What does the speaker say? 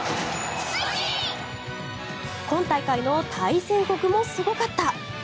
今大会の対戦国もすごかった。